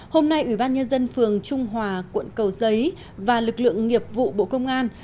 hôm nay ủy ban nhân dân phường trung hòa quận cầu giấy và lực lượng nghiệp vụ bộ công an